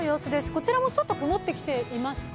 こちらもちょっと曇ってきていますか？